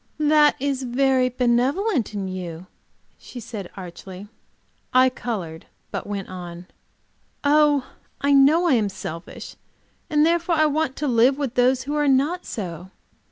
"That is very benevolent in you," she said, archly. I colored, but went on. "Oh, I know I am selfish. And therefore I want live with those who are not so.